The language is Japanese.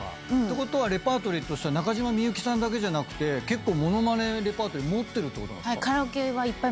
てことはレパートリーとしては中島みゆきさんだけじゃなくて結構物まねレパートリー持ってるってことなんですか？